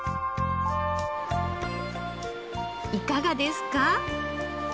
いかがですか？